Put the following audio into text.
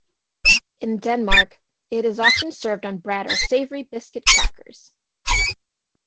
In Denmark, it is often served on bread or savoury biscuits crackers.